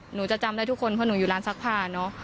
หนูจะจำได้ทุกคนเพราะหนูอยู่ร้านซักผ้าเนอะ